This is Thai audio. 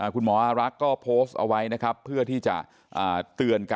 คุณหมออารักษ์ก็โพสต์เอาไว้นะครับเพื่อที่จะเตือนกัน